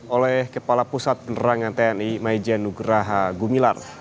oleh kepala pusat penerangan tni maijen nugraha gumilar